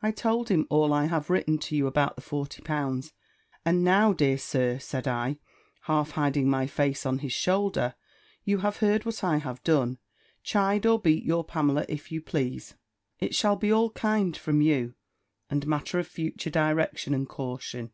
I told him all I have written to you about the forty pounds. "And now, dear Sir," said I, half hiding my face on his shoulder, "you have heard what I have done, chide or beat your Pamela, if you please: it shall be all kind from you, and matter of future direction and caution."